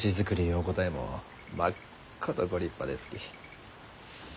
お答えもまっことご立派ですき。